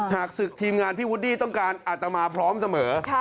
หากศึกทีมงานพี่วูดดี้ต้องการอาตมาพร้อมเสมอ